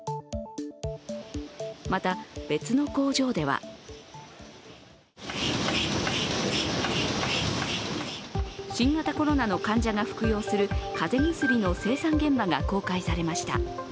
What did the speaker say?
また、別の工場では新型コロナの患者が服用する風邪薬の生産現場が公開されました。